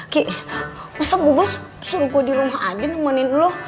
kiki masa bu bos suruh gue di rumah aja nemenin lo